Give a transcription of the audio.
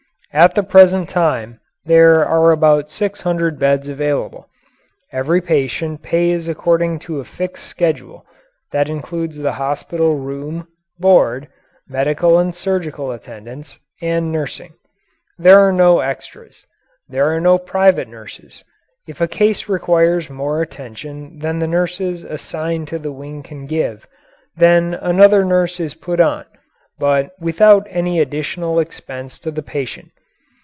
At the present time, there are about six hundred beds available. Every patient pays according to a fixed schedule that includes the hospital room, board, medical and surgical attendance, and nursing. There are no extras. There are no private nurses. If a case requires more attention than the nurses assigned to the wing can give, then another nurse is put on, but without any additional expense to the patient.